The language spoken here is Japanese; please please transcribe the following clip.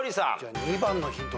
２番のヒント